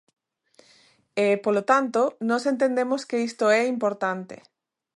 E, polo tanto, nós entendemos que isto é importante.